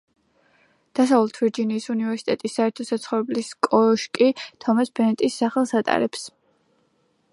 დასავლეთ ვირჯინიის უნივერსიტეტის საერთო საცხოვრებლის კოშკი თომას ბენეტის სახელს ატარებს.